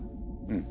うん。